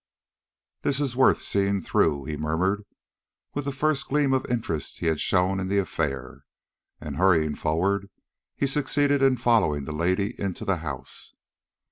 "This is worth seeing through," he murmured, with the first gleam of interest he had shown in the affair. And, hurrying forward, he succeeded in following the lady into the house.